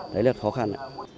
đấy là khó khăn